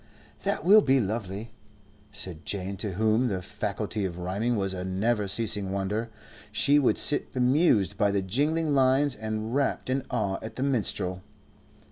"That will be lovely," said Jane, to whom the faculty of rhyming was a never ceasing wonder. She would sit bemused by the jingling lines and wrapt in awe at the minstrel.